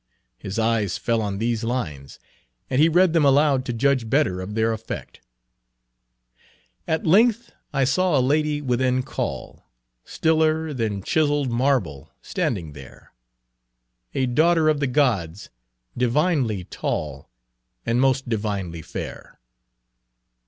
His eyes fell on these lines, and he read them aloud to judge better of their effect: "At length I saw a lady within call, Stiller than chisell'd marble, standing there; A daughter of the gods, divinely tall, And most divinely fair."